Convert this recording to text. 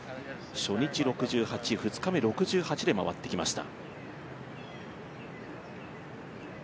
初日６８、２日目６８で回ってきました。